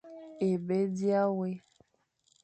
É be dia wé,